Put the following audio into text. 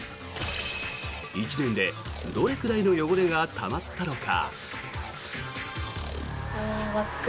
１年で、どれくらいの汚れがたまったのか。